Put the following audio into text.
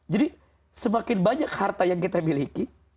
jadi semakin banyak harta yang kita miliki